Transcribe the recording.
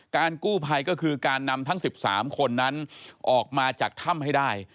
กู้ภัยก็คือการนำทั้ง๑๓คนนั้นออกมาจากถ้ำให้ได้